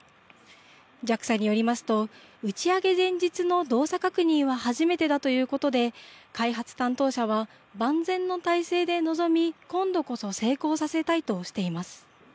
ＪＡＸＡによりますと打ち上げ前日の動作確認は初めてだということで開発担当者は万全の態勢で臨み今度こそ成功させたいとしています。